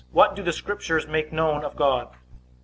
What do the Scriptures make known of God?